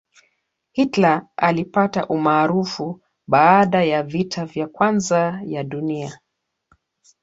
hitler alipata umaarufu baada ya vita vya kwanza ya dunia